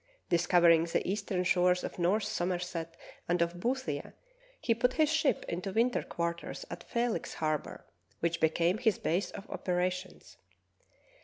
Discovering the eastern shores of North Somerset and of Boothia, he put his ship into winter quarters at Felix Harbor, which became his base of operations.